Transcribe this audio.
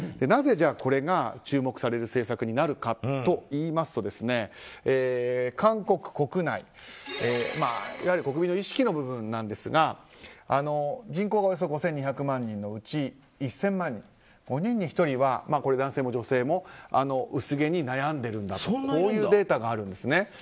なぜ、これが注目される政策になるかといいますと韓国国内いわゆる国民の意識の部分ですが人口がおよそ５２００万人のうち１０００万人、５人に１人は男性も女性も薄毛に悩んでいるんだというデータがあるんですね。